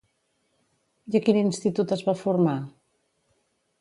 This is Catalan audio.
I a quin institut es va formar?